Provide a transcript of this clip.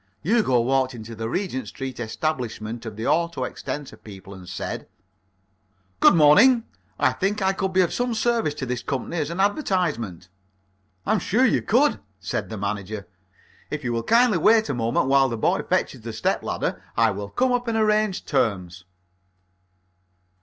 Hugo walked into the Regent Street establishment of the Auto extensor people, and said: "Good morning. I think I could be of some service to this company as an advertisement." "I am sure you could," said the manager. "If you will kindly wait a moment while the boy fetches the step ladder I will come up and arrange terms."